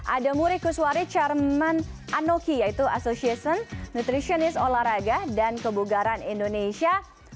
ada muri kuswari chairman anoki yaitu association nutritionis olahraga dan kebugaran indonesia